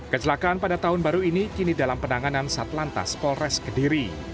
kecelakaan pada tahun baru ini kini dalam penanganan satlantas polres kediri